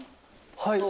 はい！